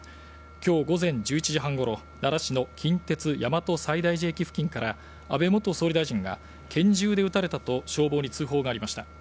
今日午前１１時半ごろ奈良市の近鉄大和西大寺駅付近から安倍元総理大臣が拳銃で撃たれたと消防に通報がありました。